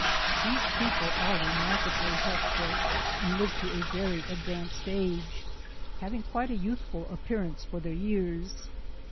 These people are remarkably healthful, and live io a very advanced age, having quite a youthful appearance for their years.